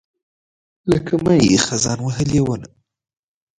لکه مئ، خزان وهلې ونه